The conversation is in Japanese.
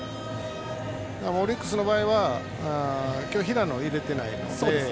オリックスの場合は今日、平野は入れてないので。